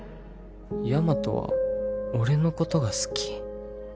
ヤマトは俺のことが好き？